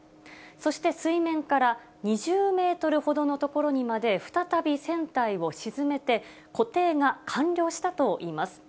そして水面から２０メートルほどの所にまで再び船体を沈めて、固定が完了したといいます。